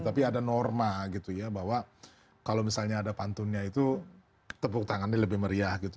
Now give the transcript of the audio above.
tapi ada norma gitu ya bahwa kalau misalnya ada pantunnya itu tepuk tangannya lebih meriah gitu